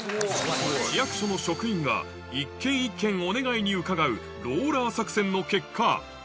市役所の職員が一軒一軒お願いに伺うローラー作戦の結果